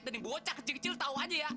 dan yang bocah kecil kecil tau aja ya